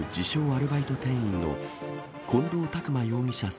アルバイト店員の近藤拓馬容疑者